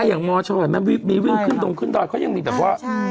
อย่างมชเห็นไหมมีวิ่งขึ้นดงขึ้นดอยเขายังมีแบบว่า